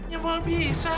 ya mau bisa